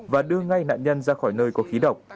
và đưa ngay nạn nhân ra khỏi nơi có khí độc